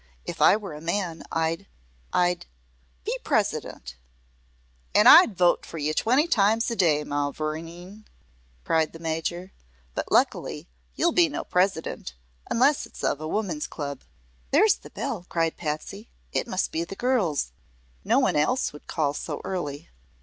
"If I were a man I'd I'd be President!" "An' I'd vote fer ye twenty times a day, mavourneen!" cried the Major. "But luckily ye'll be no president unless it's of a woman's club." "There's the bell!" cried Patsy. "It must be the girls. No one else would call so early."